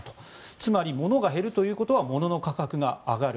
つまり、ものが減るということはものの価格が上がる。